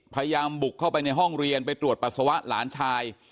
พยายามบุกเข้าไปในห้องเรียนไปตรวจปัสสาวะหลานชาย